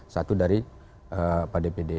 satu dari pak dpd